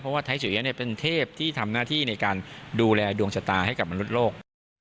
ว่าไทยสุเอี๊ยะเป็นเทพที่ทำหน้าที่ในการดูแลดวงชะตาให้กับมนุษย์โลก